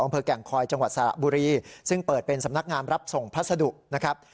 อำเภอแก่งคอยจังหวัดสระบุรีซึ่งเปิดเป็นสำนักงามรับส่งพัสดุนะครับ